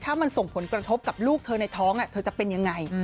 ถ้ามันส่งผลกระทบกับลูกเธอในท้องเธอจะเป็นยังไง